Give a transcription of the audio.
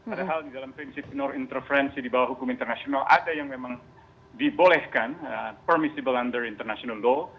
padahal di dalam prinsip nor interferensi di bawah hukum internasional ada yang memang dibolehkan permissible under international law